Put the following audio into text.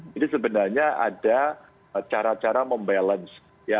jadi sebenarnya ada cara cara membalance